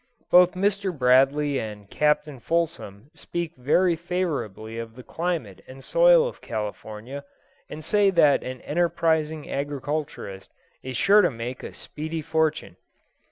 Both Mr. Bradley and Captain Fulsom speak very favourably of the climate and soil of California, and say that an enterprising agriculturist is sure to make a speedy fortune.